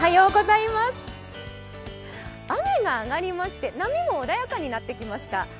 雨があがりまして波も穏やかになってきました。